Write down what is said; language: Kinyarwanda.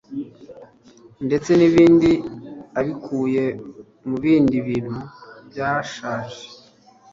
ndetse n'ibindi abikuye mu bindi bintu byashaje